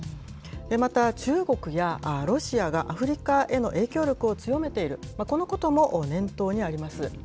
また、中国やロシアがアフリカへの影響力を強めている、このことも念頭にあります。